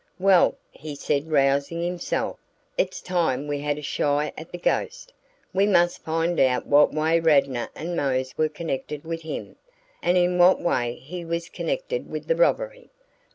"Well," he said rousing himself, "it's time we had a shy at the ghost. We must find out in what way Radnor and Mose were connected with him, and in what way he was connected with the robbery.